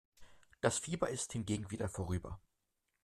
Das Fieber ist hingegen wieder vorüber.